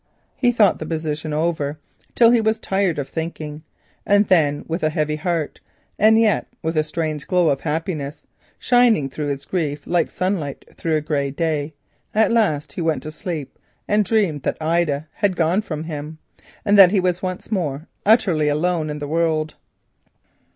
He thought the position over till he was tired of thinking, and then with a heavy heart and yet with a strange glow of happiness shining through his grief, like sunlight through a grey sky, at last he went to sleep and dreamed that Ida had gone from him, and that he was once more utterly alone in the world.